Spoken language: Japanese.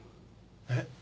えっ？